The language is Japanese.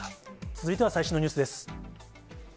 続いては最新のニュースです。